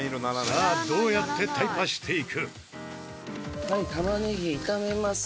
さあどうやってタイパしていく？